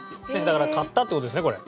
だから買ったって事ですねこれ。